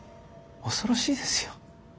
恐ろしいですよ。